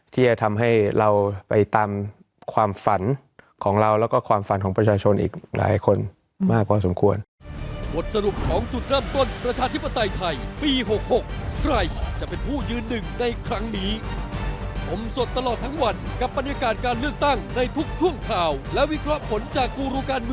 ที่จะทำให้เราไปตามความฝันของเราแล้วก็ความฝันของประชาชนอีกหลายคนมากพอสมควร